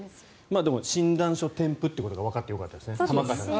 診断書添付するってことがわかってよかったですね。